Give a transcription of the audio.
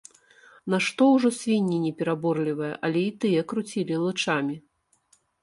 Нашто ўжо свінні непераборлівыя, але і тыя круцілі лычамі.